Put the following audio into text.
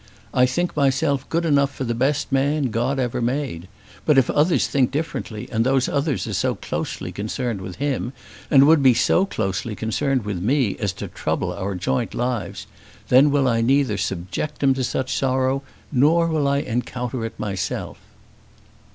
I think myself good enough for the best man God ever made. But if others think differently, and those others are so closely concerned with him, and would be so closely concerned with me, as to trouble our joint lives, then will I neither subject him to such sorrow nor will I encounter it myself."